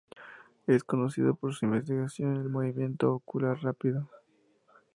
Es conocido por su investigación en el Movimiento ocular rápido.